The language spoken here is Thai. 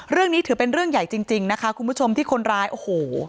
เรื่องนี้ถือเป็นเรื่องใหญ่จริงนะคะคุณผู้ชมที่คนร้ายโอ้โห